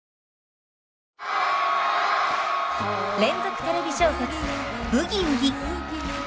連続テレビ小説「ブギウギ」。